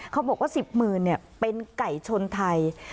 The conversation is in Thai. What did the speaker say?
เขาบอกว่า๑๐หมื่นเป็นไก่ชนไทย